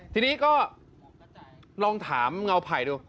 ทีนี้ก็ลองถามเงาไผ่ดู